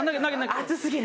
暑すぎる。